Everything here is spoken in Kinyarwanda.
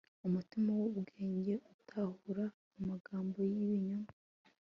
umutima w'ubwenge utahura amagambo y'ibinyoma